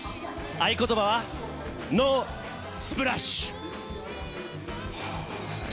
合言葉は、ノースプラッシュ。